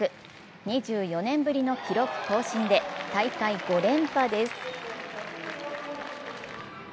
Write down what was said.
２４年ぶりの記録更新で大会５連覇です。